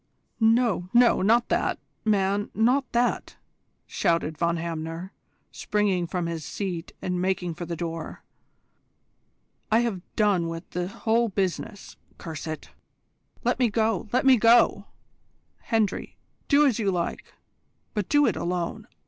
"No, no, not that, man, not that!" shouted Von Hamner, springing from his seat and making for the door. "I have done with the whole business, curse it! Let me go, let me go! Hendry, do as you like, but do it alone.